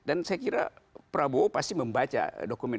dan saya kira prabowo pasti membaca dokumen dokumen